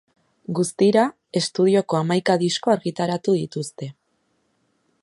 Guztira, estudioko hamaika disko argitaratu dituzte.